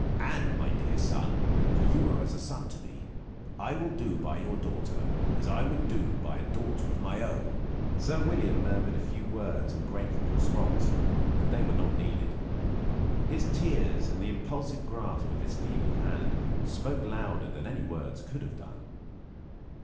And, my dear son for you are as a son to me I will do by your daughter as I would by a daughter of my own." Sir William murmured a few words in grateful response; but they were not needed. His tears, and the impulsive grasp of his feeble hand, spoke louder than any words could have done.